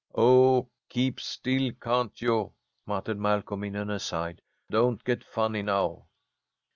"Oh, keep still, can't you?" muttered Malcolm, in an aside. "Don't get funny now."